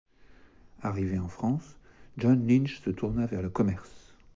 Arrivé en France, John Lynch se tourna vers le commerce.